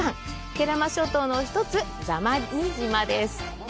慶良間諸島の一つ、座間味島です。